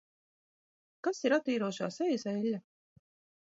Kas ir attīrošā sejas eļļa?